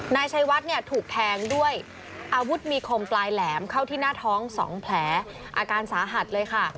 นายชัยวัดเนี่ยถูกแทงด้วยอาวุธมีคมปลายแหลมเข้าที่หน้าท้อง๒แผลอาการสาหัสเลยค่ะ